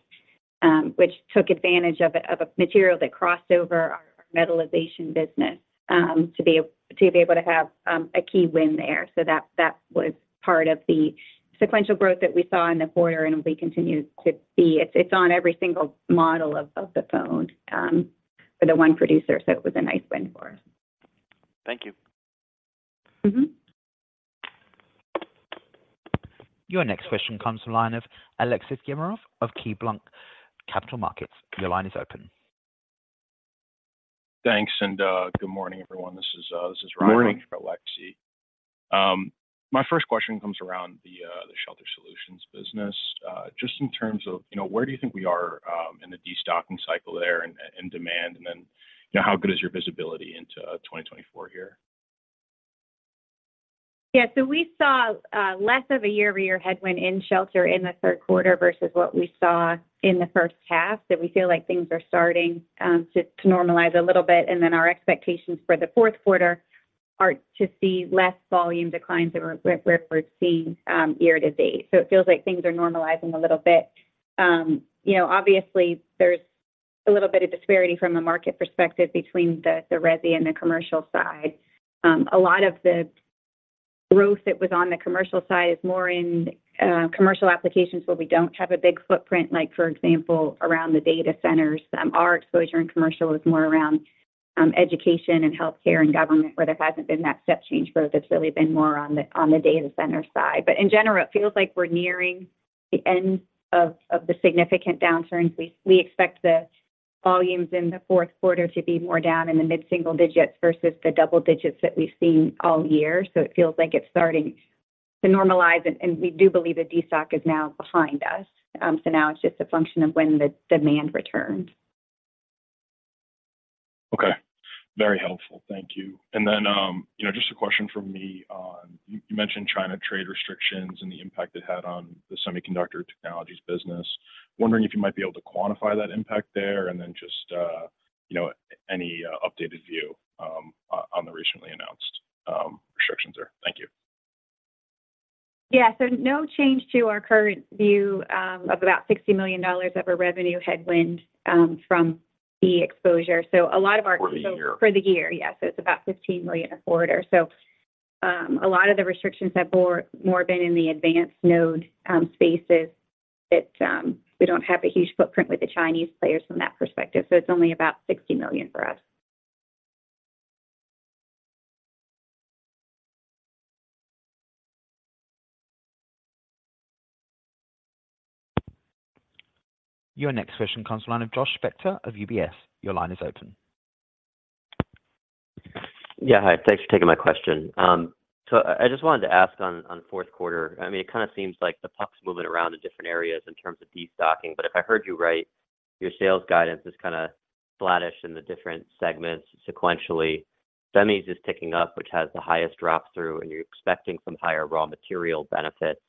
which took advantage of a material that crossed over our metallization business to be able to have a key win there. So that was part of the sequential growth that we saw in the quarter, and we continue to see. It's on every single model of the phone for the one producer, so it was a nice win for us. Thank you. Mm-hmm. Your next question comes from the line of Aleksey Yefremov of KeyBanc Capital Markets. Your line is open. Thanks, and, good morning, everyone. This is, this is Ryan- Morning. From KeyBanc. My first question comes around the shelter solutions business. Just in terms of, you know, where do you think we are in the destocking cycle there and demand? And then, you know, how good is your visibility into 2024 here? Yeah. So we saw less of a year-over-year headwind in shelter in the third quarter versus what we saw in the first half, that we feel like things are starting to normalize a little bit. And then our expectations for the fourth quarter are to see less volume declines than we're seeing year-to-date. So it feels like things are normalizing a little bit. You know, obviously, there's a little bit of disparity from a market perspective between the resi and the commercial side. A lot of the growth that was on the commercial side is more in commercial applications where we don't have a big footprint, like, for example, around the data centers. Our exposure in commercial is more around education and healthcare and government, where there hasn't been that step change growth. It's really been more on the data center side. But in general, it feels like we're nearing the end of the significant downturn. We expect the volumes in the fourth quarter to be more down in the mid-single digits versus the double digits that we've seen all year. So it feels like it's starting to normalize, and we do believe the de-stock is now behind us. So now it's just a function of when the demand returns. Okay. Very helpful. Thank you. And then, you know, just a question from me on, you mentioned China trade restrictions and the impact it had on the semiconductor technologies business. Wondering if you might be able to quantify that impact there, and then just, you know, any updated view on the recently announced restrictions there. Thank you. Yeah. So no change to our current view, of about $60 million of a revenue headwind, from the exposure. So a lot of our- For the year? For the year, yes. So it's about $15 million a quarter. So, a lot of the restrictions have more, more been in the advanced node spaces, that we don't have a huge footprint with the Chinese players from that perspective, so it's only about $60 million for us. Your next question comes from the line of Josh Spector of UBS. Your line is open. Yeah, hi. Thanks for taking my question. So I just wanted to ask on the fourth quarter. I mean, it kind of seems like the puck is moving around in different areas in terms of de-stocking, but if I heard you right, your sales guidance is kind of flattish in the different segments sequentially. Semis is ticking up, which has the highest drop through, and you're expecting some higher raw material benefits.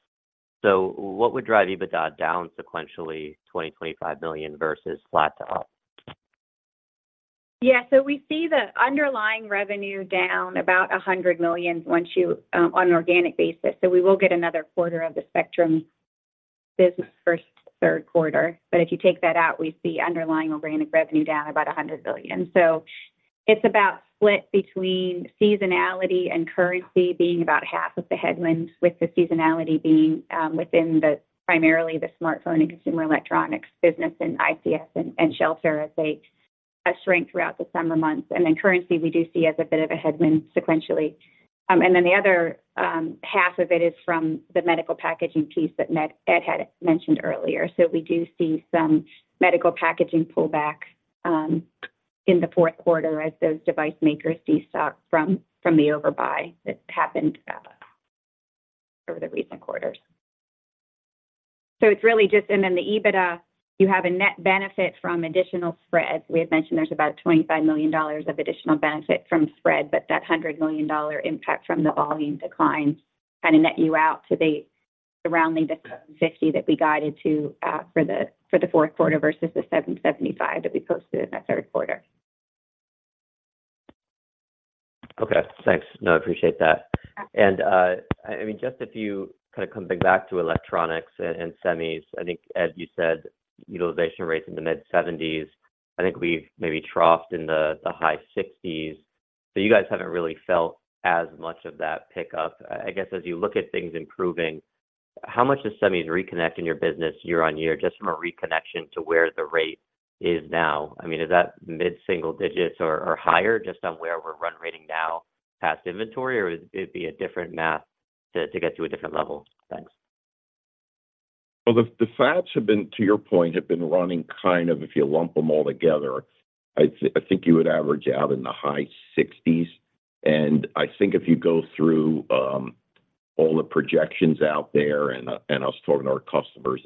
So what would drive EBITDA down sequentially, $20-$25 million versus flat to up? Yeah. So we see the underlying revenue down about $100 million once you on an organic basis. So we will get another quarter of the Spectrum business first, third quarter. But if you take that out, we see underlying organic revenue down about $100 billion. So it's about split between seasonality and currency being about half of the headwind, with the seasonality being within the primarily the smartphone and consumer electronics business, and ICS, and shelter as they shrink throughout the summer months. And then currency, we do see as a bit of a headwind sequentially. And then the other half of it is from the medical packaging piece that Ned, Ed had mentioned earlier. So we do see some medical packaging pullback in the fourth quarter as those device makers de-stock from the overbuy that happened over the recent quarters. So it's really just... And then the EBITDA, you have a net benefit from additional spread. We had mentioned there's about $25 million of additional benefit from spread, but that $100 million impact from the volume decline kind of net you out to around the 50 that we guided to for the fourth quarter versus the 775 that we posted in that third quarter. Okay, thanks. No, I appreciate that. And I mean, just if you kind of coming back to electronics and semis, I think, Ed, you said utilization rates in the mid-70s. I think we've maybe troughed in the high 60s, so you guys haven't really felt as much of that pickup. I guess as you look at things improving, how much does semis reconnect in your business year-on-year, just from a reconnection to where the rate is now? I mean, is that mid-single digits or higher, just on where we're run rating now past inventory, or it'd be a different math to get to a different level? Thanks. Well, the facts have been, to your point, running kind of if you lump them all together. I think you would average out in the high 60s. And I think if you go through all the projections out there, and I was talking to our customers,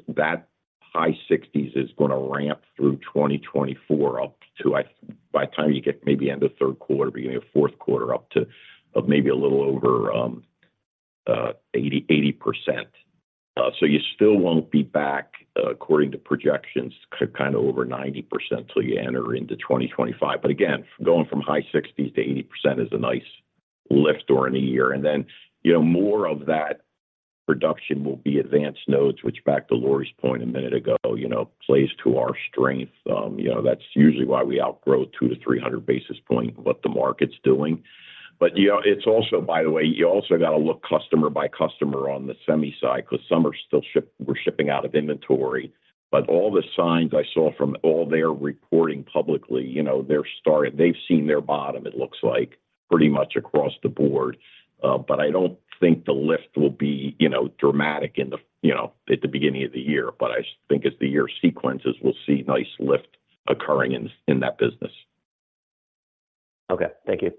that high 60s is gonna ramp through 2024, up to by the time you get maybe end of third quarter, beginning of fourth quarter, up to maybe a little over 80, 80%. So you still won't be back, according to projections, kind of over 90% till you enter into 2025. But again, going from high 60s to 80% is a nice lift during the year. And then, you know, more of that reduction will be advanced nodes, which back to Lori's point a minute ago, you know, plays to our strength. You know, that's usually why we outgrow 200-300 basis points what the market's doing. But, you know, it's also, by the way, you also got to look customer by customer on the semi side, because some are still were shipping out of inventory. But all the signs I saw from all their reporting publicly, you know, they've seen their bottom, it looks like, pretty much across the board. But I don't think the lift will be, you know, dramatic in the, you know, at the beginning of the year, but I just think as the year sequences, we'll see nice lift occurring in, in that business. Okay, thank you.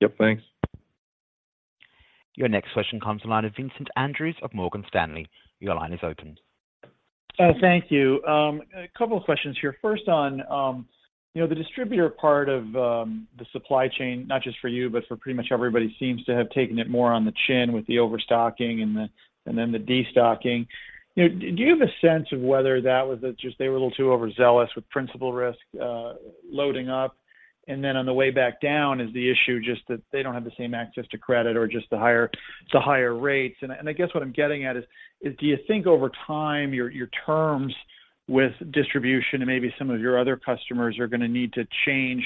Yep, thanks. Your next question comes from the line of Vincent Andrews of Morgan Stanley. Your line is open. Thank you. A couple of questions here. First on, you know, the distributor part of, the supply chain, not just for you, but for pretty much everybody, seems to have taken it more on the chin with the overstocking and the, and then the de-stocking. You know, do you have a sense of whether that was just they were a little too overzealous with principal risk, loading up, and then on the way back down, is the issue just that they don't have the same access to credit or just the higher, the higher rates? I guess what I'm getting at is, do you think over time, your terms with distribution and maybe some of your other customers are gonna need to change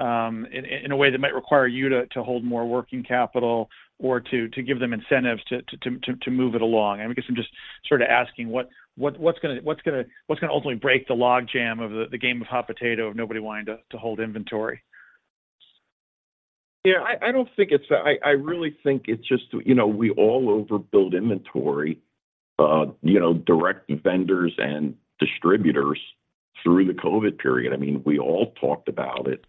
in a way that might require you to hold more working capital or to give them incentives to move it along? I guess I'm just sort of asking what's gonna ultimately break the logjam of the game of hot potato of nobody wanting to hold inventory? Yeah, I don't think it's— I really think it's just, you know, we all overbuild inventory, you know, direct vendors and distributors through the COVID period. I mean, we all talked about it.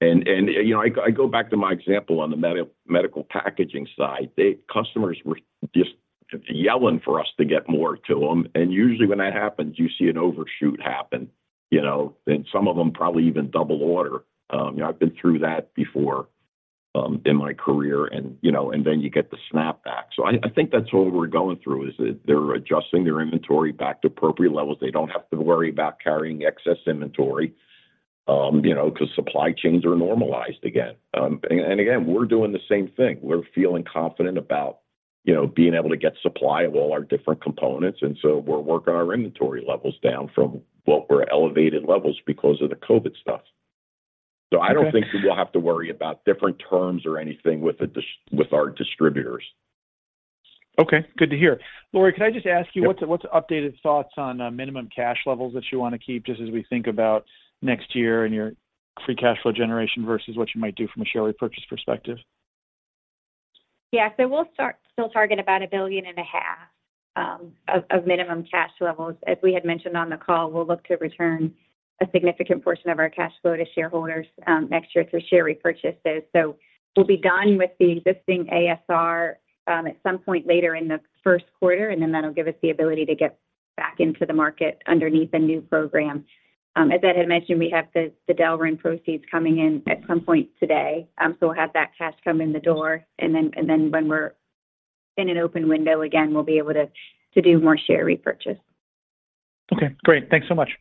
And, you know, I go back to my example on the medical packaging side. Customers were just yelling for us to get more to them, and usually when that happens, you see an overshoot happen, you know? And some of them probably even double order. You know, I've been through that before, in my career, and, you know, then you get the snapback. So I think that's what we're going through, is that they're adjusting their inventory back to appropriate levels. They don't have to worry about carrying excess inventory, you know, because supply chains are normalized again. And again, we're doing the same thing. We're feeling confident about, you know, being able to get supply of all our different components, and so we're working our inventory levels down from what were elevated levels because of the COVID stuff. Okay. I don't think we'll have to worry about different terms or anything with our distributors. Okay, good to hear. Lori, can I just ask you? Yep. What's the updated thoughts on minimum cash levels that you want to keep, just as we think about next year and your free cash flow generation versus what you might do from a share repurchase perspective? Yeah. So we'll still target about $1.5 billion of minimum cash levels. As we had mentioned on the call, we'll look to return a significant portion of our cash flow to shareholders next year through share repurchases. So we'll be done with the existing ASR at some point later in the first quarter, and then that'll give us the ability to get back into the market underneath a new program. As Ed had mentioned, we have the Delrin proceeds coming in at some point today. So we'll have that cash come in the door, and then when we're in an open window again, we'll be able to do more share repurchase. Okay, great. Thanks so much.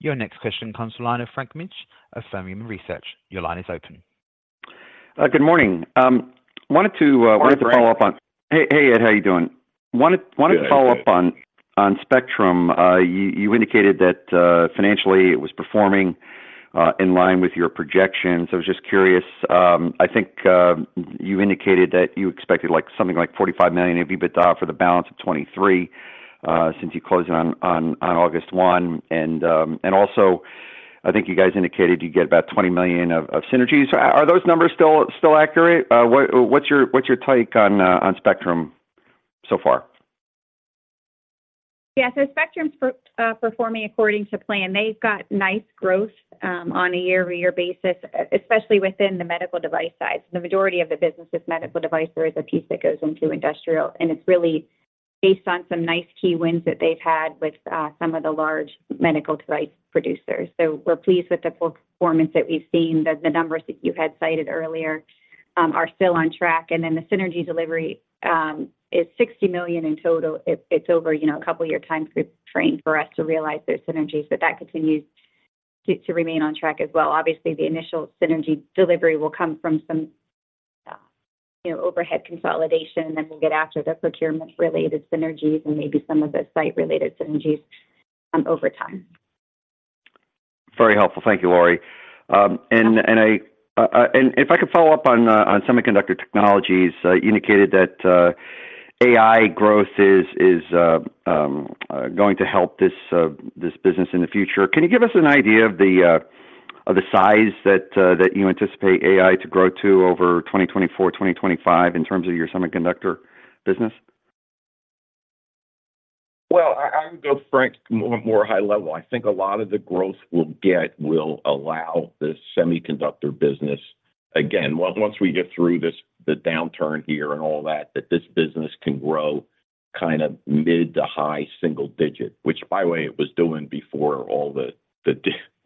Yep. Your next question comes from the line of Frank Mitsch of Fermium Research. Your line is open. Good morning. Wanted to, Hi, Frank. Want to follow up on... Hey, hey, Ed, how you doing? Wanted- Yeah, good. Wanted to follow up on Spectrum. You indicated that financially it was performing in line with your projections. I was just curious. I think you indicated that you expected, like, something like $45 million EBITDA for the balance of 2023, since you closed it on August 1. And also, I think you guys indicated you get about $20 million of synergies. Are those numbers still accurate? What's your take on Spectrum so far? Yeah. So Spectrum's performing according to plan. They've got nice growth on a year-over-year basis, especially within the medical device side. The majority of the business is medical device. There is a piece that goes into industrial, and it's really based on some nice key wins that they've had with some of the large medical device producers. So we're pleased with the performance that we've seen. The numbers that you had cited earlier are still on track, and then the synergy delivery is $60 million in total. It's over, you know, a couple of year time frame for us to realize those synergies, but that continues to remain on track as well. Obviously, the initial synergy delivery will come from some, you know, overhead consolidation. Then, we'll get after the procurement-related synergies and maybe some of the site-related synergies, over time. Very helpful. Thank you, Lori. And if I could follow up on semiconductor technologies. You indicated that AI growth is going to help this business in the future. Can you give us an idea of the size that you anticipate AI to grow to over 2024, 2025 in terms of your semiconductor business? Well, I would go, Frank, more high level. I think a lot of the growth we'll get will allow the semiconductor business again, well, once we get through this, the downturn here and all that, that this business can grow kind of mid- to high-single-digit, which, by the way, it was doing before all the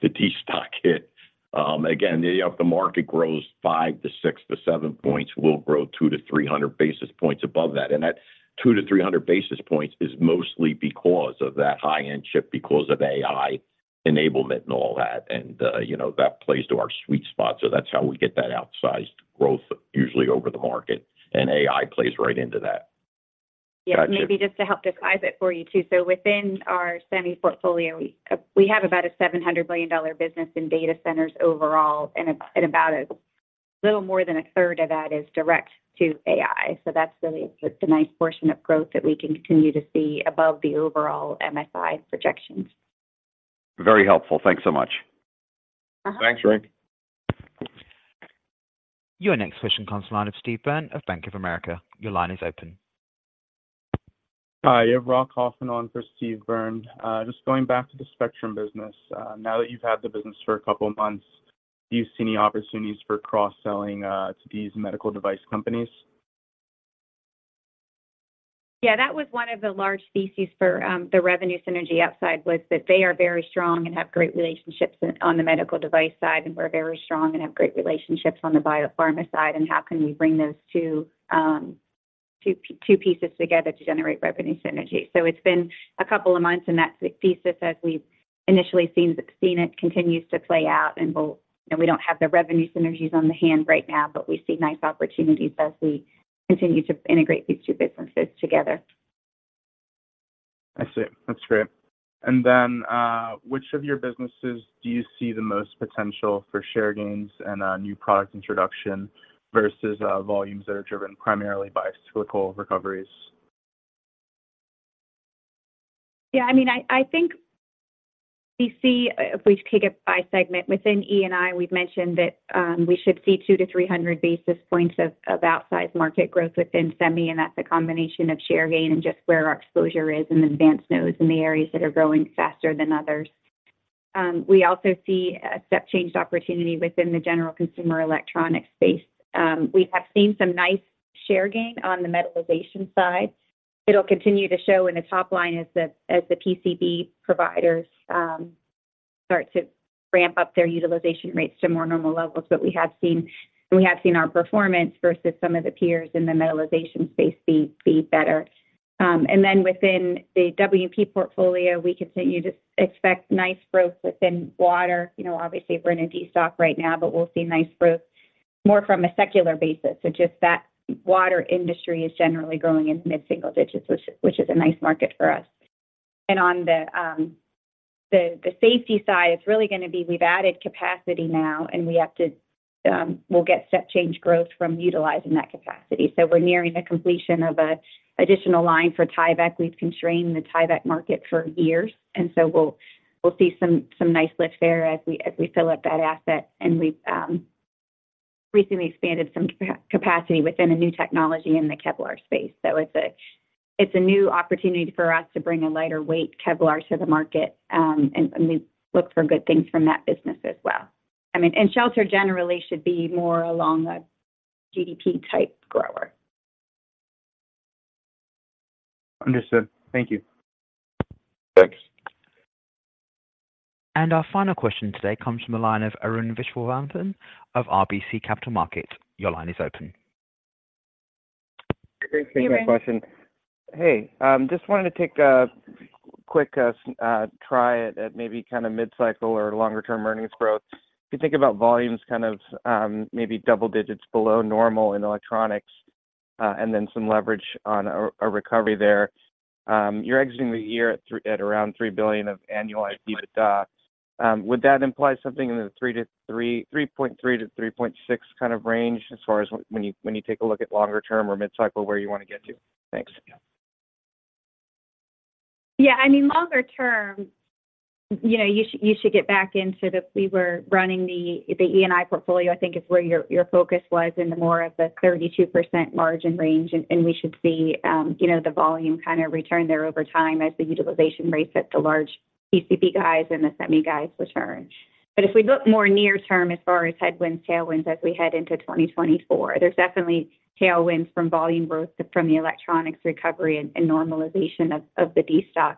destock hit. Again, if the market grows 5%-7%, we'll grow 200-300 basis points above that, and that 200-300 basis points is mostly because of that high-end chip, because of AI enablement and all that. You know, that plays to our sweet spot, so that's how we get that outsized growth, usually over the market, and AI plays right into that. Yeah. Gotcha. Maybe just to help describe it for you too. So within our semi portfolio, we, we have about a $700 billion business in data centers overall, and, and about a little more than a third of that is direct to AI. So that's really the nice portion of growth that we continue to see above the overall MSI projections. Very helpful. Thanks so much. Uh-huh. Thanks, Frank. Your next question comes from the line of Steve Burn of Bank of America. Your line is open. Hi, you have Rob Hoffman on for Steve Byrne. Just going back to the Spectrum business, now that you've had the business for a couple of months, do you see any opportunities for cross-selling to these medical device companies? Yeah, that was one of the large theses for the revenue synergy upside, was that they are very strong and have great relationships on the medical device side, and we're very strong and have great relationships on the biopharma side, and how can we bring those two, two pieces together to generate revenue synergy? So it's been a couple of months, and that thesis, as we've initially seen it, continues to play out. And we don't have the revenue synergies on hand right now, but we see nice opportunities as we continue to integrate these two businesses together. I see. That's great. Which of your businesses do you see the most potential for share gains and new product introduction versus volumes that are driven primarily by cyclical recoveries? Yeah, I mean, I think we see, if we take it by segment, within E&I, we've mentioned that, we should see 200-300 basis points of outsized market growth within semi, and that's a combination of share gain and just where our exposure is in advanced nodes in the areas that are growing faster than others. We also see a step change opportunity within the general consumer electronic space. We have seen some nice share gain on the metallization side. It'll continue to show in the top line as the PCB providers start to ramp up their utilization rates to more normal levels. But we have seen our performance versus some of the peers in the metallization space be better. And then within the WP portfolio, we continue to expect nice growth within water. You know, obviously, we're in a destock right now, but we'll see nice growth more from a secular basis. So just that water industry is generally growing in mid-single digits, which is a nice market for us. And on the safety side, it's really gonna be we've added capacity now, and we have to. We'll get step change growth from utilizing that capacity. So we're nearing the completion of an additional line for Tyvek. We've constrained the Tyvek market for years, and so we'll see some nice lift there as we fill up that asset. And we've recently expanded some capacity within a new technology in the Kevlar space. So it's a new opportunity for us to bring a lighter weight Kevlar to the market, and we look for good things from that business as well. I mean, and shelter generally should be more along a GDP-type grower. Understood. Thank you. Thanks. Our final question today comes from the line of Arun Viswanathan of RBC Capital Markets. Your line is open. Thanks for taking my question. Hey, Arun. Hey, just wanted to take a quick try at maybe kind of mid-cycle or longer-term earnings growth. If you think about volumes, kind of, maybe double digits below normal in electronics, and then some leverage on a recovery there. You're exiting the year at around $3 billion of annualized EBITDA. Would that imply something in the 3.3-3.6 kind of range as far as when you take a look at longer term or mid-cycle, where you want to get to? Thanks. Yeah, I mean, longer term, you know, you should, you should get back into the we were running the, the E&I portfolio, I think is where your, your focus was in the more of the 32% margin range. And, and we should see, you know, the volume kind of return there over time as the utilization rates at the large PCB guys and the semi guys return. But if we look more near term, as far as headwinds, tailwinds, as we head into 2024, there's definitely tailwinds from volume growth from the electronics recovery and, and normalization of, of the destock.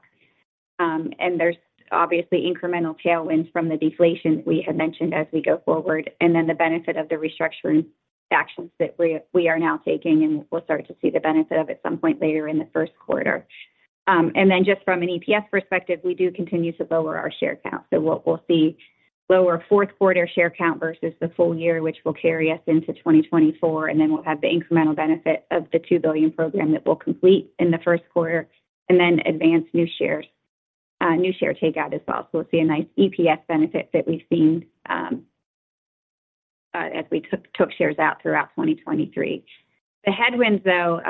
And there's obviously incremental tailwinds from the deflation we had mentioned as we go forward, and then the benefit of the restructuring actions that we, we are now taking, and we'll start to see the benefit of at some point later in the first quarter. And then just from an EPS perspective, we do continue to lower our share count. So what we'll see lower fourth quarter share count versus the full year, which will carry us into 2024, and then we'll have the incremental benefit of the $2 billion program that we'll complete in the first quarter, and then advance new shares, new share takeout as well. So we'll see a nice EPS benefit that we've seen as we took shares out throughout 2023. The headwinds, though,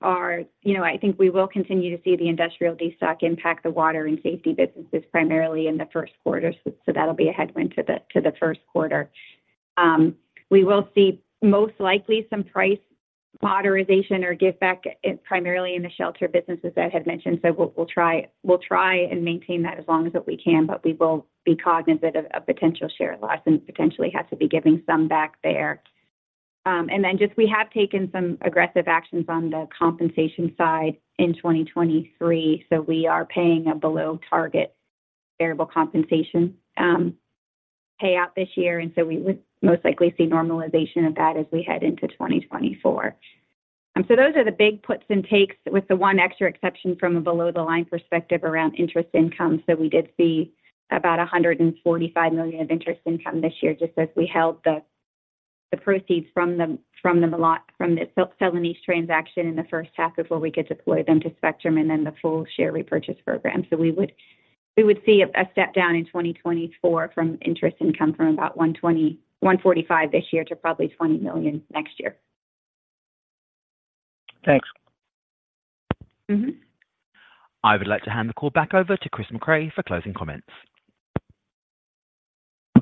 are... You know, I think we will continue to see the industrial destock impact the water and safety businesses primarily in the first quarter, so that'll be a headwind to the first quarter. We will see most likely some price moderation or give back, primarily in the shelter businesses I had mentioned, so we'll, we'll try, we'll try and maintain that as long as we can, but we will be cognitive of, of potential share loss and potentially have to be giving some back there. And then just we have taken some aggressive actions on the compensation side in 2023, so we are paying a below target variable compensation, payout this year, and so we would most likely see normalization of that as we head into 2024. So those are the big puts and takes, with the one extra exception from a below-the-line perspective around interest income. So we did see about $145 million of interest income this year, just as we held the proceeds from the sale and lease transaction in the first half, before we could deploy them to Spectrum and then the full share repurchase program. So we would see a step down in 2024 from interest income from about $145 million this year to probably $20 million next year. Thanks. Mm-hmm. I would like to hand the call back over to Chris Mecray for closing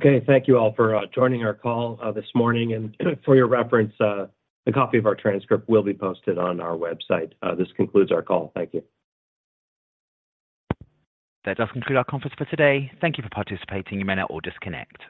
comments. Okay. Thank you all for joining our call this morning. For your reference, a copy of our transcript will be posted on our website. This concludes our call. Thank you. That does conclude our conference for today. Thank you for participating. You may now all disconnect.